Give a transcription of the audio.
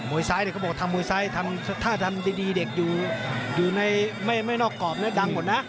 มวยซ้ายเขาบอกว่าทำมวยซ้ายถ้าทำดีเด็กอยู่ในไม่นอกกรอบดังหมดนะ